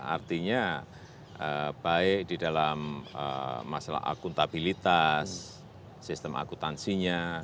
artinya baik di dalam masalah akuntabilitas sistem akutansinya